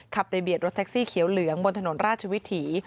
ขับไปเบียดรถแท็กซี่เขียวเหลืองบนถนนราชวิถี